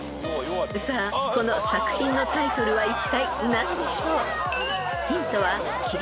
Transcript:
［さあこの作品のタイトルはいったい何でしょう？］